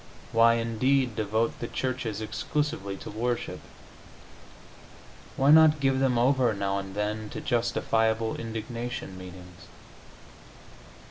Why, indeed, devote the churches exclusively to worship? Why not give them over, now and then, to justifiable indignation meetings?